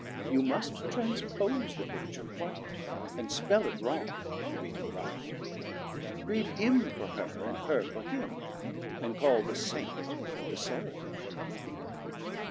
You must transpose the picture quite, And spell it wrong to read it right; Read Him for her, and her for him; And call the Saint the Seraphim.